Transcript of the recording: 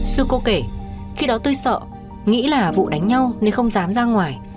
sư cô kể khi đó tôi sợ nghĩ là vụ đánh nhau nên không dám ra ngoài